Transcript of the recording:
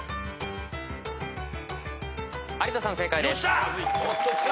有田さん正解です。